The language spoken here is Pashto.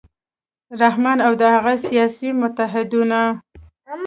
رحمان او د هغه سیاسي متحدینو